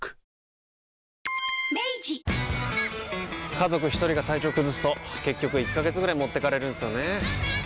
家族一人が体調崩すと結局１ヶ月ぐらい持ってかれるんすよねー。